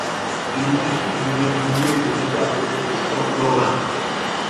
Il est issu d'une lignée de notables protestants lorrains.